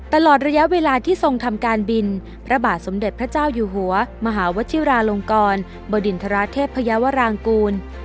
ตลอดระยะเวลาที่ทรงทำการบินพระบาทสมเด็จพระเจ้าอยู่หัวมหาวชิราลงกรบดินทราเทพยาวรางกูล